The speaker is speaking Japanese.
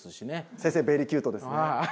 先生ベリーキュートですね。